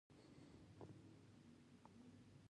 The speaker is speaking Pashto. د مادون ملاتړ ولې پکار دی؟